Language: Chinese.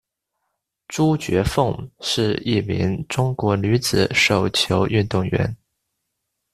朱觉凤是一名中国女子手球运动员。